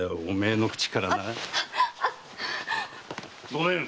おめえの口からな！